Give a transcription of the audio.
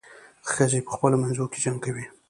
ښځې په خپلو منځو کې جنګ کوي.